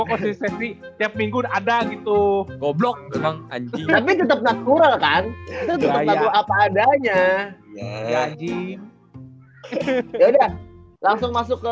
konsistensi tiap minggu ada gitu goblok tetap natural kan apa adanya ya aja langsung masuk ke